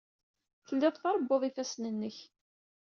Tellid trebbud ifassen-nnek.